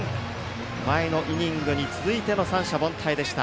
前のイニングに続いての三者凡退でした。